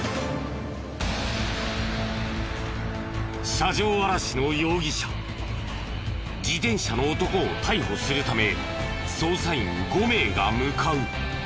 車上あらしの容疑者自転車の男を逮捕するため捜査員５名が向かう。